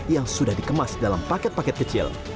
yang sudah dikemas dalam paket paket kecil